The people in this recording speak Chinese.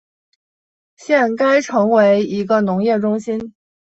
现该城为一个农业中心。